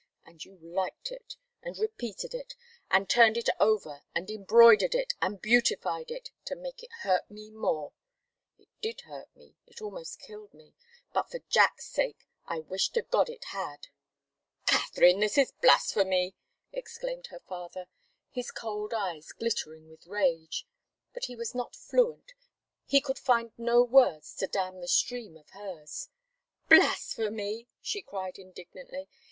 And you liked it, and repeated it, and turned it over and embroidered it and beautified it to make it hurt me more. It did hurt me it almost killed me but for Jack's sake, I wish to God it had!" "Katharine, this is blasphemy!" exclaimed her father, his cold eyes glittering with rage but he was not fluent, he could find no words to dam the stream of hers. "Blasphemy!" she cried, indignantly.